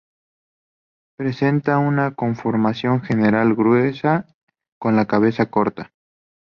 Presenta una conformación general gruesa, con la cabeza corta.